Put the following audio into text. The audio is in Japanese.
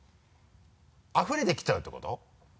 あふれてきちゃうってこと？